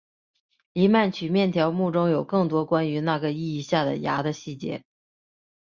黎曼曲面条目中有更多关于那个意义下的芽的细节。